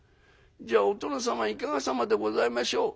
じゃあお殿様いかがさまでございましょう。